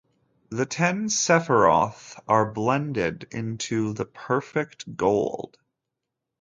The ten Sephiroth are blended into the perfect gold.